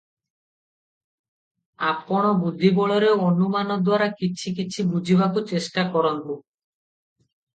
ଆପଣ ବୁଦ୍ଧିବଳରେ ଅନୁମାନ ଦ୍ୱାରା କିଛି କିଛି ବୁଝିବାକୁ ଚେଷ୍ଟାକରନ୍ତୁ ।